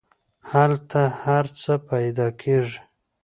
هلته هر څه پیدا کیږي.